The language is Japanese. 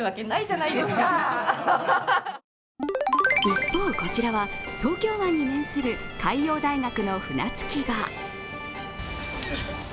一方、こちらは東京湾に面する海洋大学の船着場。